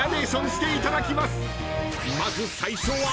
［まず最初は］